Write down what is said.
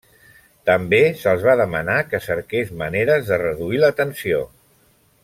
També se'ls va demanar que cerqués maneres de reduir la tensió.